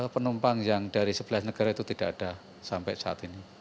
penumpang yang dari sebelas negara itu tidak ada sampai saat ini